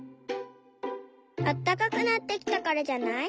あったかくなってきたからじゃない？